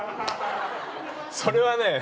それはね。